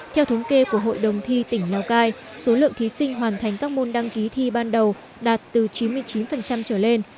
theo thống kê của hội đồng thi tỉnh lào cai số lượng thí sinh hoàn thành các môn đăng ký thi ban đầu đạt từ chín mươi chín trở lên